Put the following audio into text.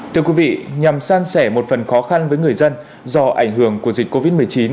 thưa quý vị nhằm san sẻ một phần khó khăn với người dân do ảnh hưởng của dịch covid một mươi chín